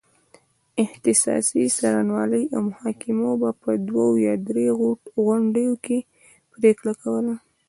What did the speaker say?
اختصاصي څارنوالۍ او محاکمو به په دوه یا درې غونډو کې پرېکړه کوله.